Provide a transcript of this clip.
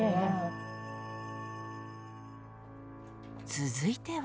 続いては。